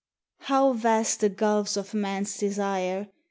How vast the gulfs of man's desire!